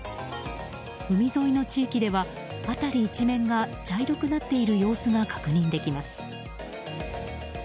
海沿いの地域では辺り一面が茶色くなっている様子が確認できます。